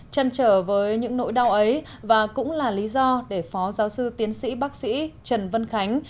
chân trở với những nỗi đau ấy và cũng là lý do để phó giáo sư tiến sĩ bác sĩ trần vân khánh